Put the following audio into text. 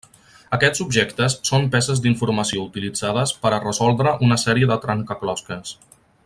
Aquests objectes són peces d'informació utilitzades per a resoldre una sèrie de trencaclosques.